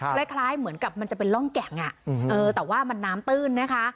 คล้ายเหมือนกับมันจะเป็นร่องแก่งแต่ว่ามันน้ำตื้นนะคะ